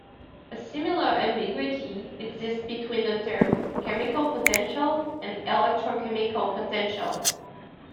A similar ambiguity exists between the terms, "chemical potential" and "electrochemical potential".